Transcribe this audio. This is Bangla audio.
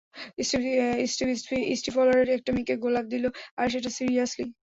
স্টিভ স্টিফলার একটা মেয়েকে গোলাপ দিলো আর সেটা সিরিয়াসলি।